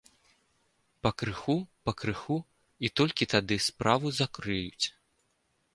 Пакрыху, пакрыху, і толькі тады справу закрыюць.